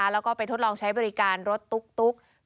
แล้วก็ไปทดลองใช้บริการรถตุ๊ก